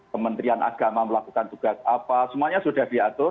kementerian agama melakukan tugas apa semuanya sudah diatur